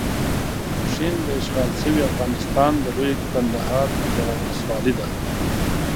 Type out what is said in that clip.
پشین داشغال شوي افغانستان د لويې کندهار یوه ولسوالۍ ده.